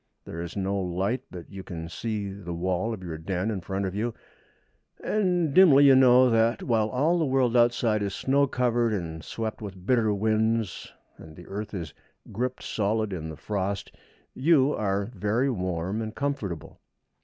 There is no light, but you can see the wall of your den in front of you, and dimly you know that, while all the world outside is snow covered and swept with bitter winds, and the earth is gripped solid in the frost, you are very warm and comfortable.